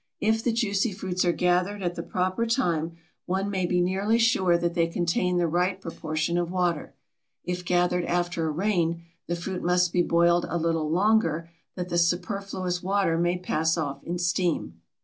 If the juicy fruits are gathered at the proper time one may be nearly sure that they contain the right proportion of water. If gathered after a rain the fruit must be boiled a little longer that the superfluous water may pass off in steam.